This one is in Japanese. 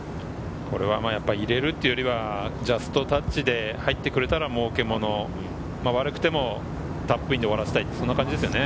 入れるというよりはジャストタッチで入ってくれたら儲けもの、悪くてもタップインで終わらせたい、そんな感じですね。